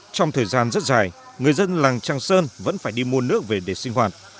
trong thời gian rất dài người dân làng trang sơn vẫn phải đi mua nước về để sinh hoạt